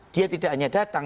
dia tidak hanya datang